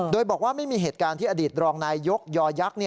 โดยบอกว่าไม่มีเหตุการณ์ที่อดีตรองนายยกยอยักษ์